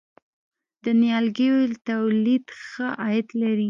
د نیالګیو تولید ښه عاید لري؟